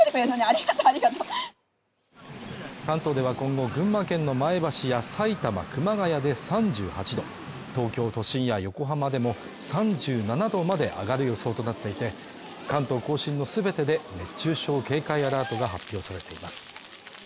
関東では今後群馬県の前橋やさいたま熊谷で３８度、東京都心や横浜でも３７度まで上がる予想となっていて、関東甲信の全てで熱中症警戒アラートが発表されています。